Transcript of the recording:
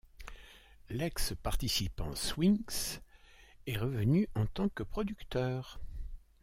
L'ex-participant Swings est revenu en tant que producteur.